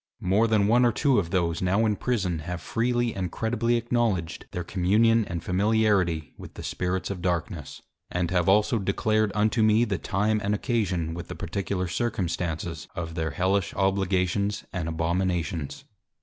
More than one or two of those now in Prison, have freely and credibly acknowledged their Communion and Familiarity with the Spirits of Darkness; and have also declared unto me the Time and Occasion, with the particular Circumstances of their Hellish Obligations and Abominations.